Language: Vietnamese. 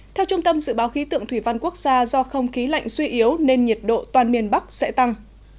theo trung tâm dự báo khí tượng thủy văn quốc gia do không khí lạnh suy yếu nên nhiệt độ toàn miền bắc sẽ tăng